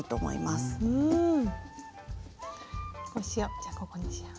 じゃあここにしよう。